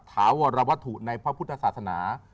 เกี่ยวข้องกับฐาวรวัตถุในพระพุทธศาสนา